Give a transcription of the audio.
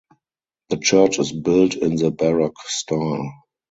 The church is built in the Baroque style.